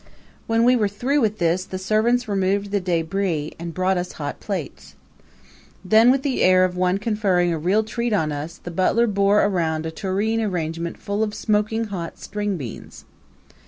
When we were through with this the servants removed the debris and brought us hot plates. Then, with the air of one conferring a real treat on us, the butler bore around a tureen arrangement full of smoking hot string beans.